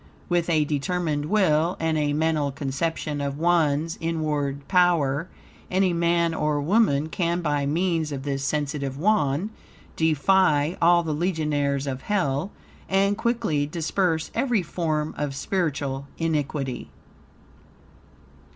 With a determined will, and a mental conception of one's inward power, any man or woman can, by means of this sensitive Wand, defy all the legionaries of Hell, and quickly disperse every form of spiritual iniquity.